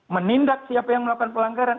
menindak siapa yang melakukan pelanggaran